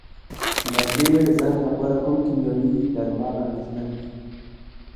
د ژیړ زنګ لپاره کوم کیمیاوي درمل اغیزمن دي؟